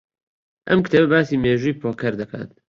ئەم کتێبە باسی مێژووی پۆکەر دەکات.